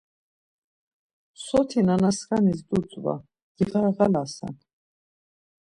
soti nenaskanis dutzva, giğarğalasen.